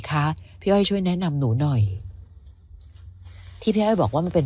คะพี่อ้อยช่วยแนะนำหนูหน่อยที่พี่อ้อยบอกว่ามันเป็น